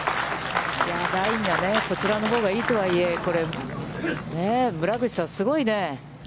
ラインが、こちらのほうがいいとはいえ、これ、ねえ、村口さん、すごいね。